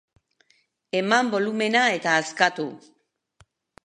Eman bolumena eta askatu!